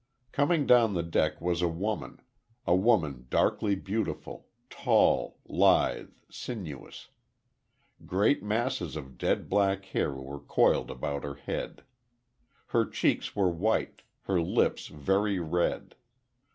Coming down the deck was a woman, a woman darkly beautiful, tall, lithe, sinuous. Great masses of dead black hair were coiled about her head. Her cheeks were white; her lips very red.